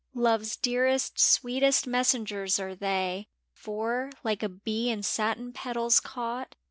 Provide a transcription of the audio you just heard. Love's dearest, sweetest messengers are they, For, like a bee in satin petals caught.